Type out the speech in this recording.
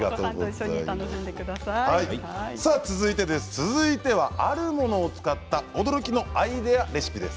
続いてはあるものを使った驚きのアイデアレシピです。